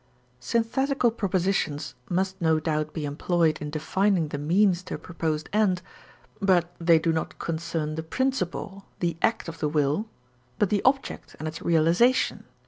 Synthetical propositions must no doubt be employed in defining the means to a proposed end; but they do not concern the principle, the act of the will, but the object and its realization.